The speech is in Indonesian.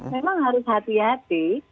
memang harus hati hati